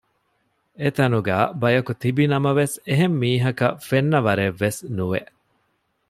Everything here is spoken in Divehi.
އެތަނުގައި ބަޔަކު ތިބިނަމަވެސް އެހެންމީހަކަށް ފެންނަވަރެއް ވެސް ނުވެ